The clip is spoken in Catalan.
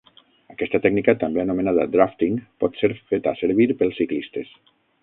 Aquesta tècnica, també anomenada Drafting pot ser feta servir pels ciclistes.